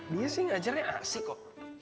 dia sih ngajarnya asik kok